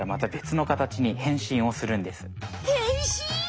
変身！？